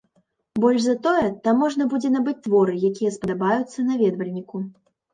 Больш за тое, там можна будзе набыць творы, якія спадабаюцца наведвальніку.